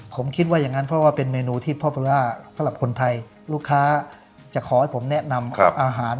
ผมคิดว่าอย่างนั้นเพราะว่าเป็นเมนูสำหรับคนไฉนลูกค้าจะขอให้ผมแนะนำอาหาร